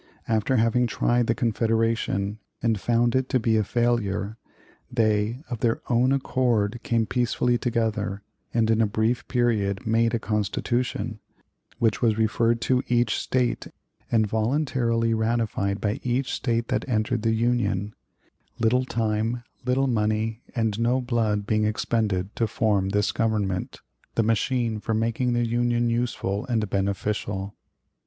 After having tried the Confederation and found it to be a failure, they, of their own accord, came peacefully together, and in a brief period made a Constitution, which was referred to each State and voluntarily ratified by each State that entered the Union; little time, little money, and no blood being expended to form this Government, the machine for making the Union useful and beneficial.